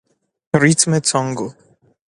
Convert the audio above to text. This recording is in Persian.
ریتم تانگو